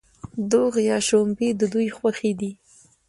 دوغ یا شړومبې د دوی خوښ دي.